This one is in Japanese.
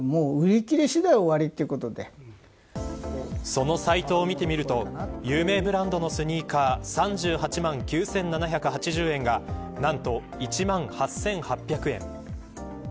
そのサイトを見てみると有名ブランドのスニーカー３８万９７８０円が何と、１万８８００円。